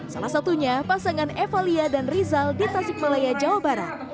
salah satunya pasangan evalia dan rizal di tasik malaya jawa barat